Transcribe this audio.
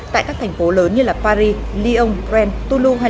tại các thành phố lớn như paris lyon rennes toulouse